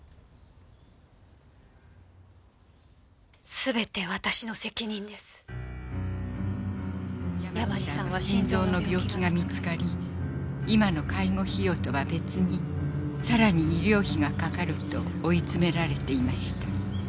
「全て私の責任です」山路さんは心臓の病気が見つかり今の介護費用とは別にさらに医療費がかかると追い詰められていました。